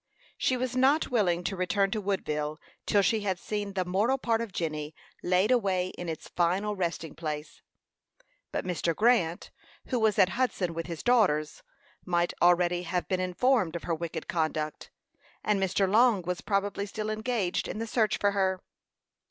She was not willing to return to Woodville till she had seen the mortal part of Jenny laid away in its final resting place. But Mr. Grant, who was at Hudson with his daughters, might already have been informed of her wicked conduct; and Mr. Long was probably still engaged in the search for her.